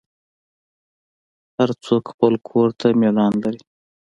هر څوک خپل کور ته میلان لري.